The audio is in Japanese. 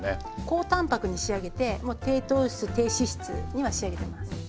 高タンパクに仕上げてもう低糖質低脂質には仕上げてます。